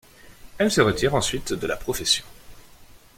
Elle se retire ensuite de la profession.